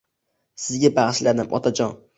Sizga bag’ishladim, Otajon!